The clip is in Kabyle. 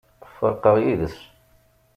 Ferqeɣ yid-s.